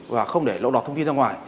và không để lộ đọt thông tin ra ngoài